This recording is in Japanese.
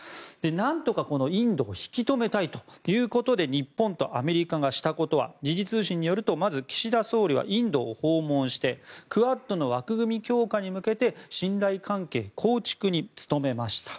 なんとか、インドを引き留めたいということで日本とアメリカがしたことは時事通信によるとまず岸田総理はインドを訪問してクアッドの枠組み強化に向けて信頼関係構築に努めました。